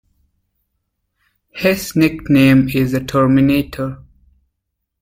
His nickname is "the Terminator".